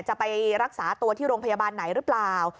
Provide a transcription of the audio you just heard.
จะไปรักษาตัวที่โรงพยาบาลไหนหรือเปล่า